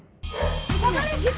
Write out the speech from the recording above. apa kalian gitu bu